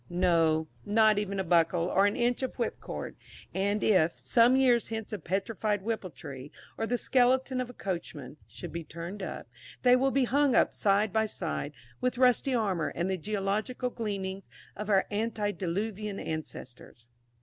No, not even a buckle, or an inch of whipcord; and if, some years hence a petrified whipple tree, or the skeleton of a coachman, should be turned up, they will be hung up side by side with rusty armour and the geological gleanings of our antediluvian ancestors.